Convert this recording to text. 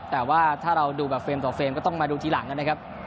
แต่ว่าถ้าเราดูแบบเฟรมต่อเฟรมก็ต้องมาดูทีหลังนะครับ